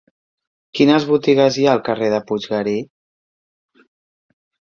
Quines botigues hi ha al carrer de Puiggarí?